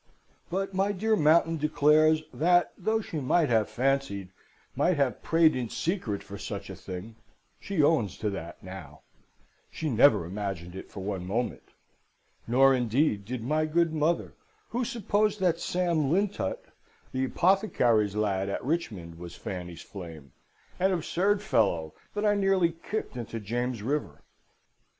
But my dear Mountain declares that, though she might have fancied, might have prayed in secret for such a thing (she owns to that now), she never imagined it for one moment. Nor, indeed, did my good mother, who supposed that Sam Lintot, the apothecary's lad at Richmond, was Fanny's flame an absurd fellow that I near kicked into James River.